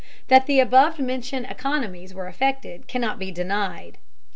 That the above mentioned economies were effected cannot be denied.